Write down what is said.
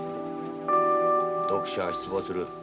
読者は失望する。